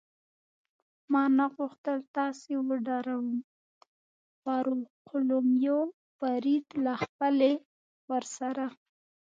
ما نه غوښتل تاسې وډاروم، فاروقلومیو فرید له خپلې ورسره.